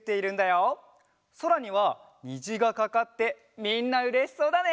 そらにはにじがかかってみんなうれしそうだね！